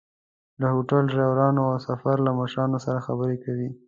له هوټل، ډریورانو او د سفر له مشرانو سره خبرې کوي.